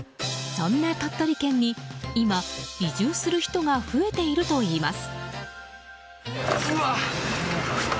そんな鳥取県に今移住する人が増えているといいます。